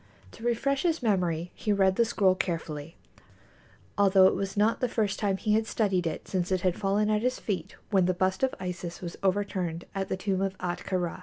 To refresh his memory he read the scroll carefully, although it was not the first time he had studied it since it had fallen at his feet when the bust of Isis was overturned at the tomb of Ahtka Rā.